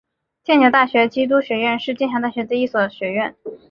剑桥大学基督学院是剑桥大学的一所学院。